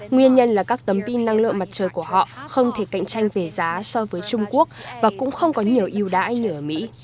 nguyên nhân là các tấm pin năng lượng mặt trời của họ không thể cạnh tranh về giá so với trung quốc và cũng không có nhiều yêu đãi như ở mỹ